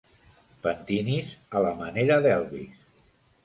Pentinis a la manera d'Elvis.